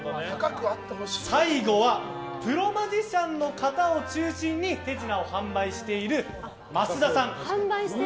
最後はプロマジシャンの方を中心に手品を販売している益田さん。